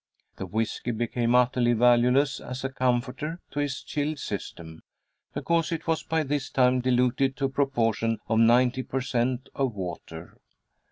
The whiskey became utterly valueless as a comforter to his chilled system, because it was by this time diluted to a proportion of ninety per cent of water.